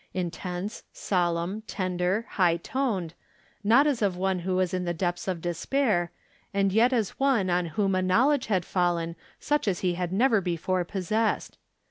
Intense, solemn, tender, high toned — not as of one who was in the depths of despair, and yet as one on whom a knowledge had fallen such as he had never before possessed.